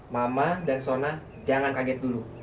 mama dan sona jangan kaget dulu